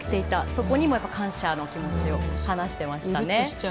そこにも感謝の気持ちを話していましたね。